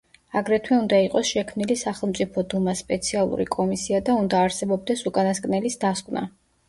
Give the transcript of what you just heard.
აგრეთვე უნდა იყოს შექმნილი სახელმწიფო დუმას სპეციალური კომისია და უნდა არსებობდეს უკანასკნელის დასკვნა.